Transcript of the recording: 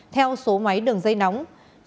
theo số máy đường dây nóng